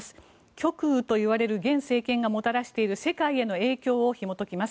極右といわれる現政権がもたらしている世界への影響をひも解きます。